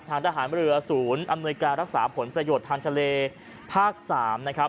ทหารเรือศูนย์อำนวยการรักษาผลประโยชน์ทางทะเลภาค๓นะครับ